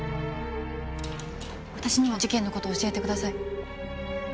私にも事件の事教えてください。